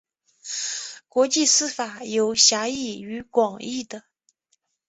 国际私法有狭义与广义的。